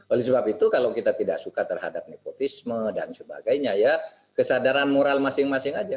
oleh sebab itu kalau kita tidak suka terhadap nepotisme dan sebagainya ya kesadaran moral masing masing aja